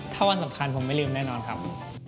ถ้าวันสำคัญผมไม่ลืมแน่นอนครับ